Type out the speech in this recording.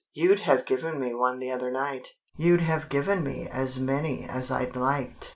"You'd have given me one the other night. You'd have given me as many as I'd liked.